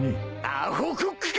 アホコックか！